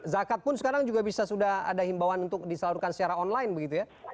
zakat pun sekarang juga bisa sudah ada himbawan untuk disalurkan secara online begitu ya